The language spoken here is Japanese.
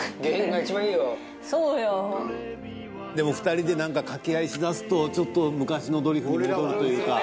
でも２人でなんか掛け合いしだすとちょっと昔のドリフに戻るというか。